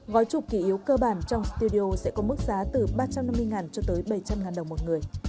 gói trục kỷ yếu cơ bản trong studio sẽ có mức giá từ ba trăm năm mươi cho tới bảy trăm linh đồng một người